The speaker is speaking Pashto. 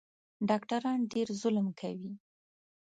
ډاکټران ډېر ظلم کوي